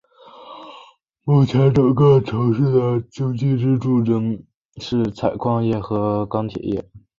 目前整个城市的经济支柱依然是采矿业和钢铁业。